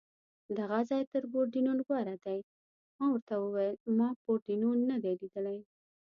دغه ځای تر پورډېنون غوره دی، ما ورته وویل: ما پورډېنون نه دی لیدلی.